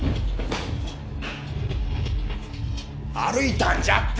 歩いたんじゃって！